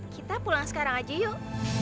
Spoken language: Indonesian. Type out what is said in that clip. kita pulang sekarang aja yuk